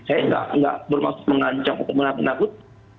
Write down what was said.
saya nggak bermaksud mengancam atau menakut